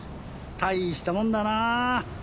大したもんだなぁ。